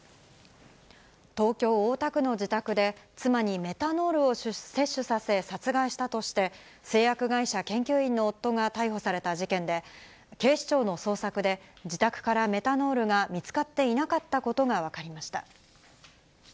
東京・大田区の自宅で、妻にメタノールを摂取させ、殺害したとして、製薬会社研究員の夫が逮捕された事件で、警視庁の捜索で、自宅からメタノールが見つかっていなかったことが分かりました。